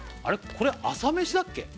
これ朝飯だっけ？